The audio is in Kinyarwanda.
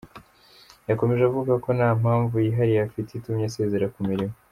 Yakomeje avuga ko nta mpamvu yihariye afite itumye asezera ku mirimo.